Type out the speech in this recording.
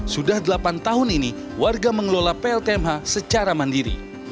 sudah delapan tahun ini warga mengelola pltmh secara mandiri